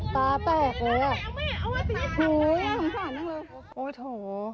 ตาแปลกเลยอ่ะโอ้ยโถ่